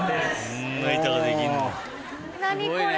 何これ。